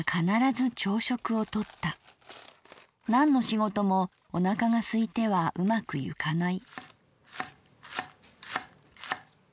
なんの仕事もおなかがすいてはうまくゆかない」。